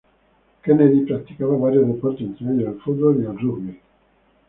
Kennedy practicaba varios deportes, entre ellos el fútbol y el rugby.